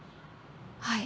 はい。